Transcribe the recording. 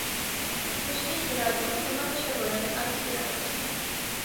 «Լուսնի հյուրատունը» նման չէ որևէ այլ հյուրանոցի։